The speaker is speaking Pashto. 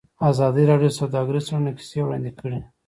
ازادي راډیو د سوداګریز تړونونه کیسې وړاندې کړي.